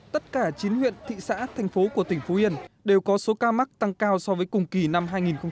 tất cả chín huyện thị xã thành phố của tỉnh phú yên đều có số ca mắc tăng cao so với cùng kỳ năm hai nghìn một mươi chín